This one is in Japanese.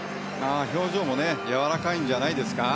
表情もやわらかいんじゃないですか。